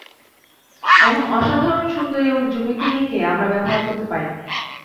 এমন অসাধারণ সুন্দরী এবং যুবতী মেয়েকে আমরা ব্যবহার করতে পারি না।